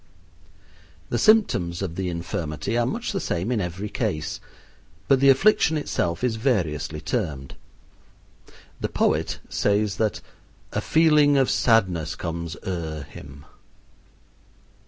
The symptoms of the infirmity are much the same in every case, but the affliction itself is variously termed. The poet says that "a feeling of sadness comes o'er him."